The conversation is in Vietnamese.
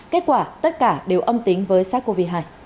kết quả tất cả đều âm tính với sars cov hai